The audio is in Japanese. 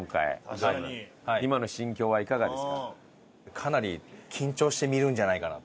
かなり緊張して見るんじゃないかなと。